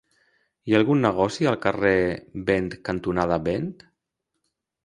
Hi ha algun negoci al carrer Vent cantonada Vent?